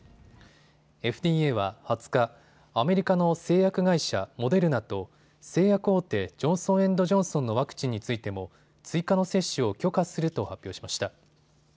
ＦＤＡは２０日、アメリカの製薬会社、モデルナと製薬大手、ジョンソン・エンド・ジョンソンのワクチンについても追加の接種を許可すると発表しました。